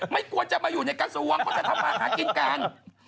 ไม่ควรจะมาอยู่ในกระทรวงเขาจะทำมาหากินกัน